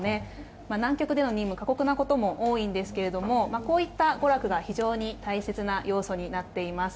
南極での任務過酷なことも多いんですがこういった娯楽が、非常に大切な要素になっています。